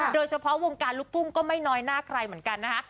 โดยเฉพาะวงการลูกทุ่งก็ไม่น้อยหน้าใครเหมือนกันนะคะ